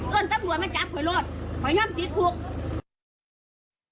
เกิดตำรวจมาจับขอยโรดขอยน่ำจี๊ดพวก